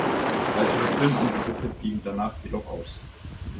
Weitere Filmangebote blieben danach jedoch aus.